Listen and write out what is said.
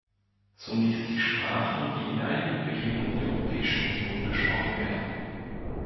Zunächst die Sprachen, die in einigen Regionen der Europäischen Union gesprochen werden.